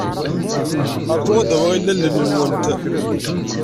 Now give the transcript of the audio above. Ṛju ad d-awiɣ ilalen-nwent.